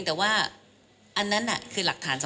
จะมีการอ้างอิงถึงหลักฐานแพทย์